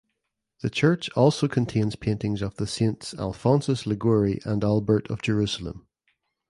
The church also contains paintings of the saints Alphonsus Liguori and Albert of Jerusalem.